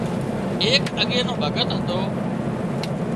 ايڪ اڳي نو ڀڳت هتو